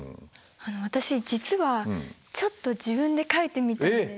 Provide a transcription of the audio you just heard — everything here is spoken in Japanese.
私実はちょっと自分で書いてみたんです。